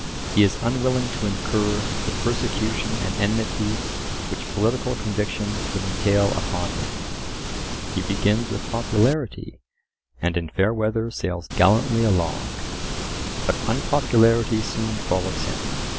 He is unwilling to incur the persecution and enmity which political convictions would entail upon him. He begins with popularity, and in fair weather sails gallantly along. But unpopularity soon follows him.